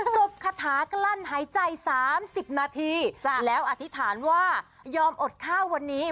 จบคาถากลั้นหายใจ๓๐นาทีแล้วอธิษฐานว่ายอมอดข้าววันนี้